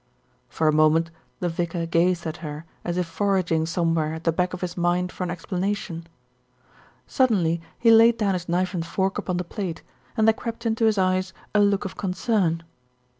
For a moment the vicar gazed at her as if foraging somewhere at the back of his mind for an explanation. Suddenly he laid down his knife and fork upon the plate, and there crept into his eyes a look of concern.